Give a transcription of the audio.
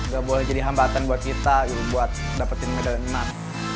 gak boleh jadi hambatan buat kita buat dapetin medali emas